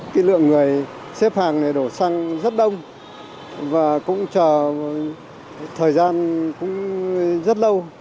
cái lượng người xếp hàng này đổ xăng rất đông và cũng chờ thời gian cũng rất lâu